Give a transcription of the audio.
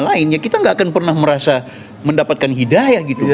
lainnya kita nggak akan pernah merasa mendapatkan hidayah gitu